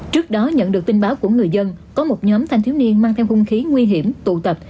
trước đó nhận được tin báo của người dân có một nhóm thanh thiếu niên mang theo hung khí nguy hiểm tụ tập